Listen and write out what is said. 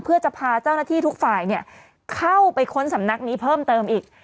เพื่อจะพาเจ้าหน้าที่ทุกฝ่ายเข้าไปค้นสำนักนี้เพิ่มเติมอีก